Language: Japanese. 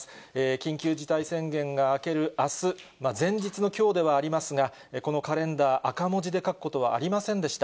緊急事態宣言が明けるあす、前日のきょうではありますが、このカレンダー、赤文字で書くことはありませんでした。